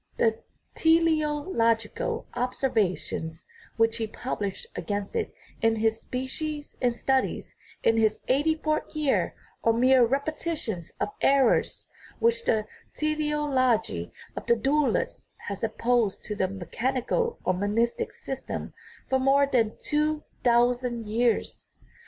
The teleological observa tions which he published against it in his Species and Studies in his eighty fouth year are mere repetitions of errors which the teleology of the dualists has opposed to the mechanical or monistic system for more than two thousand years.